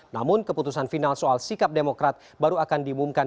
namun keputusan final soal sikap demokrat baru akan diumumkan